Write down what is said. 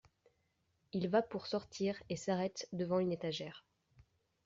Il va pour sortir et s’arrête devant une étagère.